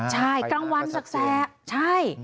ใช่กลางวันแสกใช่